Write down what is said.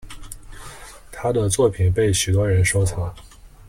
她的作品被许多人收藏。